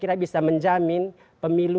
kemudian ini adanya lagi di seiner